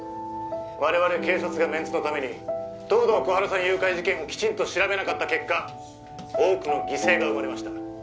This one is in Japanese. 我々警察がメンツのために東堂心春さん誘拐事件をきちんと調べなかった結果多くの犠牲が生まれました